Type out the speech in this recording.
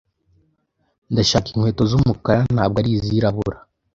Ndashaka inkweto z'umukara, ntabwo ari izirabura.